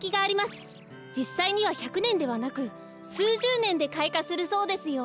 じっさいには１００ねんではなくすうじゅうねんでかいかするそうですよ。